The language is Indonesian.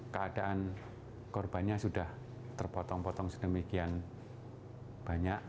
keadaan korbannya sudah terpotong potong sedemikian banyak